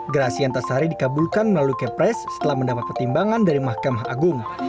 gerasi antasari dikabulkan melalui kepres setelah mendapat pertimbangan dari mahkamah agung